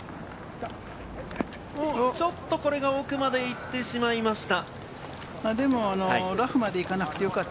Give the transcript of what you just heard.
ちょっとこれが奥までいってしまいました。